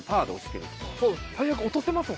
最悪落とせますもん